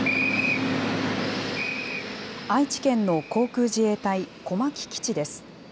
愛知県の航空自衛隊、小牧基地です。